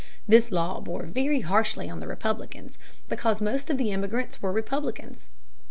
This law bore very harshly on the Republicans, because most of the immigrants were Republicans.